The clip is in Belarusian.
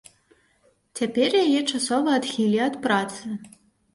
Цяпер яе часова адхілі ад працы.